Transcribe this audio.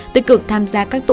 tự cực tham gia các hội đồng